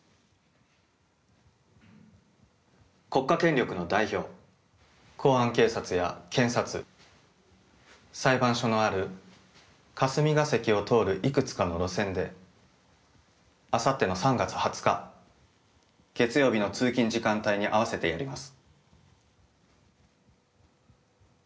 国家権力の代表公安警察や検察裁判所のある霞ケ関を通るいくつかの路線で明後日の３月２０日月曜日の通勤時間帯に合わせてやります。